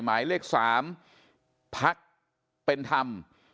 หมายเลข๓พักเป็นธรรม